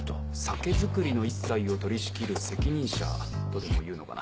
酒造りの一切を取り仕切る責任者とでもいうのかな。